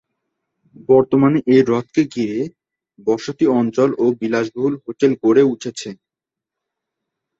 বর্তমানে এই হ্রদকে ঘিরে বসতি অঞ্চল ও বিলাসবহুল হোটেল গড়ে উঠেছে।